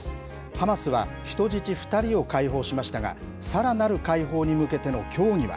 ハマスは、人質２人を解放しましたが、さらなる解放に向けての協議は。